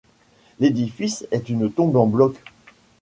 L'édifice est une tombe en blocs.